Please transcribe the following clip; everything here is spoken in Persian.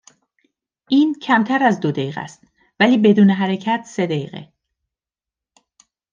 این کمتر از دو دقیقه اس ولی بدون حرکت سه دقیقه